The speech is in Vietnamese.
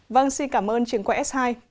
vâng xin cảm ơn truyền qua s hai